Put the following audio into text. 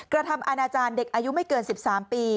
กระทำอาณาจารย์เด็กอายุไม่เกิน๑๓ปี